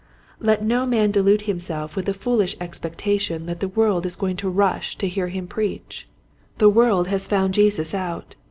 Let no man then delude himself with Despondency. 83 the foolish expectation that the world is going to rush to hear him preach. The world has found Jesus out.